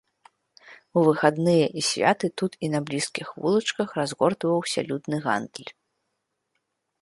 У выхадныя і святы тут і на блізкіх вулачках разгортваўся людны гандаль.